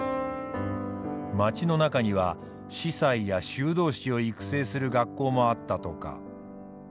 街の中には司祭や修道士を育成する学校もあったとか。